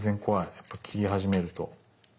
やっぱ切り始めると。